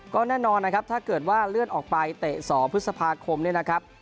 ก็แน่นอนนะครับถ้าเกิดว่าเลื่อนออกไปเตะ๒พฤษภาคมเนี่ยนะครับ